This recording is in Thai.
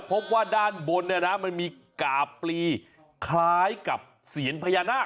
พบว่าด้านบนมันมีกาปลีคล้ายกับเสียงพญานาค